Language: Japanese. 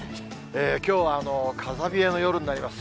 きょうは風冷えの夜になります。